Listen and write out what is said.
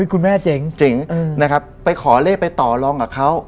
คุณแม่เจ๋งนะครับไปขอเลขไปต่อลองกับเขา